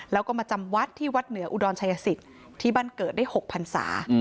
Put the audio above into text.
แล้วก็มาจำวัดที่วัดเหนืออุดรชายสิทธิ์ที่บ้านเกิดได้๖พันศา